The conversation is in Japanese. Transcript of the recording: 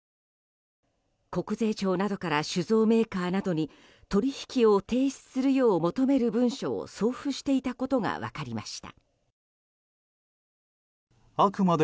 国税庁などから酒造メーカーなどに取引を停止するよう求める文書を送付していたことが分かりました。